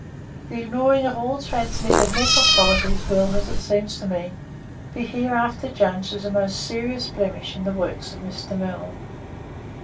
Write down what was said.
The ignoring of all transmitted mental qualities will, as it seems to me, be hereafter judged as a most serious blemish in the works of Mr. Mill.)